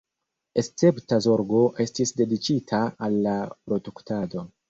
Escepta zorgo estis dediĉita al la produktado.